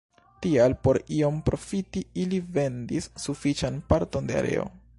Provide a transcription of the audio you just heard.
Tial por iom profiti ili vendis sufiĉan parton de areo.